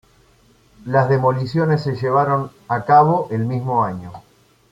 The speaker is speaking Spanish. Las demoliciones se llevaron a cabo el mismo año.